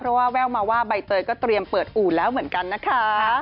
เพราะว่าแววมาว่าใบเตยก็เตรียมเปิดอู่แล้วเหมือนกันนะคะ